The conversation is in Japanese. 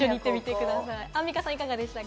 アンミカさんいかがでしたか？